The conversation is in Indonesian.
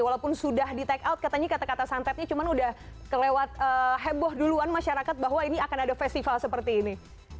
walaupun sudah di take out katanya kata kata santetnya cuma udah kelewat heboh duluan masyarakat bahwa ini akan ada festival seperti ini